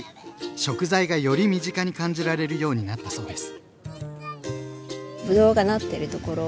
食材がより身近に感じられるようになったそうです。